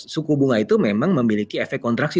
suku bunga itu memang memiliki efek kontraksi